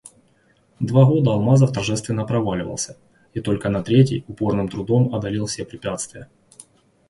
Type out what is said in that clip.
Два года Алмазов торжественно проваливался и только на третий упорным трудом одолел все препятствия.